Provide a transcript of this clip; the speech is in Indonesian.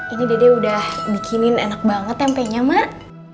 ini dede udah bikinin enak banget tempenya mak